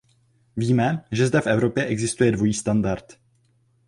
Víme, že zde v Evropě existuje dvojí standard.